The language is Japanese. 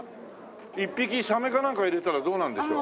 １匹サメかなんか入れたらどうなるんでしょう？